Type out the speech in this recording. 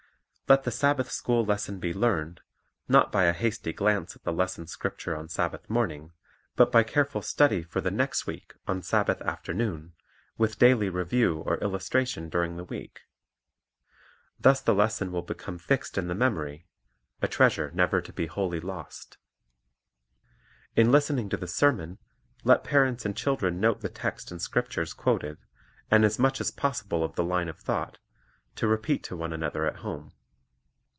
Let the Sabbath school lesson be learned, not by a hasty glance at the lesson scripture on Sabbath morning, but by careful study for The Sabbath and Nature Bible Sturir 252 Character Building the next week on Sabbath afternoon, with daily review or illustration during the week. Thus the lesson will become fixed in the memory, a treasure never to be wholly lost. In listening to the sermon, let parents and children note the text and the scriptures quoted, and as much as possible of the line of thought, to repeat to one another at home.